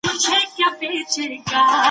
ذهني روښانتیا ستاسو د وخت مدیریت ښه کوي.